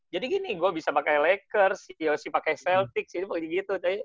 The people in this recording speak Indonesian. jadi gini gue bisa pakai lakers yoshi pakai celtics gitu gitu